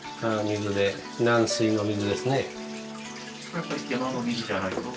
やっぱり山の水じゃないと？